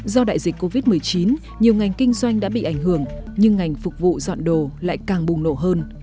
do đại dịch covid một mươi chín nhiều ngành kinh doanh đã bị ảnh hưởng nhưng ngành phục vụ dọn đồ lại càng bùng nổ hơn